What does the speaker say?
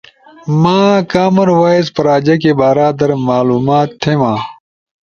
ما کامن وائس پراجیکے بارا در معلومات تھے ما۔